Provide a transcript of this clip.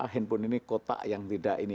handphone ini kotak yang tidak ini